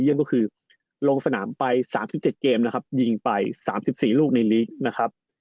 ซึ่งก็คือลงสนามไป๓๗เกมจึงไป๓๔ลูกในลีก